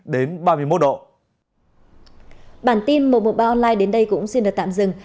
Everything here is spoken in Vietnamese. kênh một trăm một mươi ba online đến đây cũng xin được tạm dừng